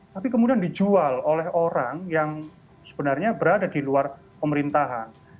tapi kemudian dijual oleh orang yang sebenarnya berada di luar pemerintahan